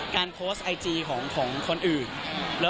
การโพสต์ไอจีของคนอื่น